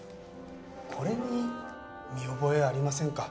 これに見覚えありませんか？